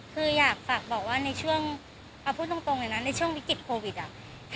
คืออยากฝากบอกว่าในช่วงเอาพูดตรงเลยนะในช่วงวิกฤตโควิดอ่ะ